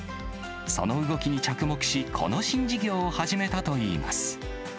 その動きに着目し、この新事業を始めたといいます。